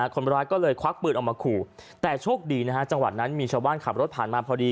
คนร้ายก็เลยควักปืนออกมาขู่แต่โชคดีนะฮะจังหวัดนั้นมีชาวบ้านขับรถผ่านมาพอดี